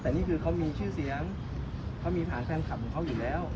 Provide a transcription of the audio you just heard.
แต่นี่ก็คือเขามีชื่อเสียงเขามีผ่านแฟนคับอยู่แล้ว